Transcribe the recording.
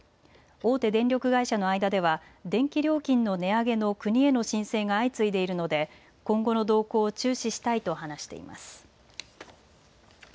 大手電力会社の間では電気料金の値上げの国への申請が相次いでいるので今後の動向を注視したいと話しています。